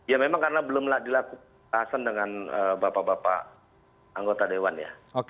ya memang karena belum dilakukan dengan bapak bapak anggota dewan ya